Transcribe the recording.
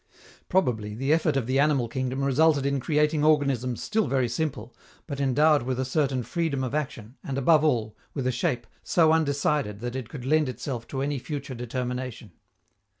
Probably the effort of the animal kingdom resulted in creating organisms still very simple, but endowed with a certain freedom of action, and, above all, with a shape so undecided that it could lend itself to any future determination.